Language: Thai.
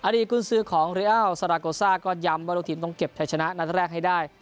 อดีตคุณซือของเรียลซาลาโกซ่าก็ยำว่าลูกทีมต้องเก็บใช้ชนะนัดแรกให้ได้